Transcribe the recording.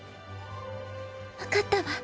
分かったわ。